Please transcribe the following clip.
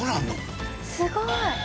すごい！